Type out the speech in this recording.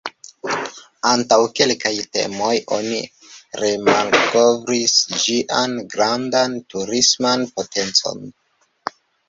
Antaŭ kelka tempo oni remalkovris ĝian grandan turisman potencon.